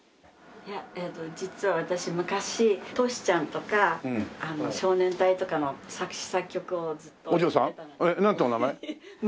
実は私昔トシちゃんとか少年隊とかの作詞作曲をずっとやってたので。